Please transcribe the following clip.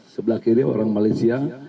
sebelah kiri orang malaysia